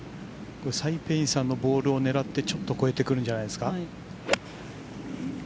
サイ・ペイインさんのボールを狙ってちょっと越えてくるんじゃないですか。